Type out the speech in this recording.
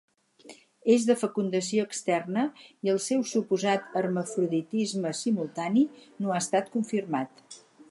És de fecundació externa i el seu suposat hermafroditisme simultani no ha estat confirmat.